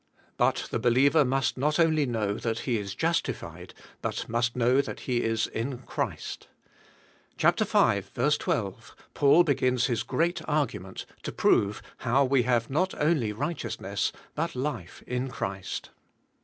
But the believer must not only know that he is justified but must know that he is in Christ. Chap. 5: 12 Paul begins his great argument to prove how we have not only righteousness, but life in Christ.